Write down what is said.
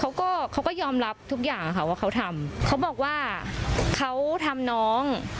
เขาก็เขาก็ยอมรับทุกอย่างค่ะว่าเขาทำเขาบอกว่าเขาทำน้อง